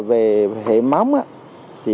đã xuất hiện nhiều vách nứt